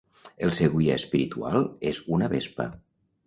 El seu guia espiritual és una vespa.